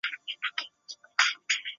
唐朝羁縻州。